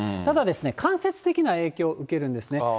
ただ、間接的な影響を受けるんですね。